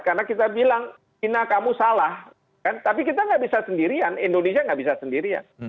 karena kita bilang china kamu salah kan tapi kita nggak bisa sendirian indonesia nggak bisa sendirian